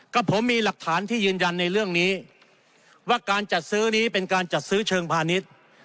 กับผมมีหลักฐานที่ยืนยันในเรื่องนี้ว่าการจัดซื้อนี้เป็นการจัดซื้อเชิงพาณิชย์